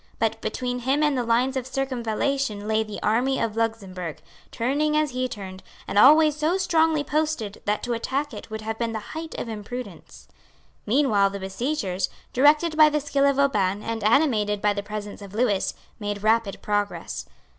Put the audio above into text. But between him and the lines of circumvallation lay the army of Luxemburg, turning as he turned, and always so strongly posted that to attack it would have been the height of imprudence. Meanwhile the besiegers, directed by the skill of Vauban and animated by the presence of Lewis, made rapid progress.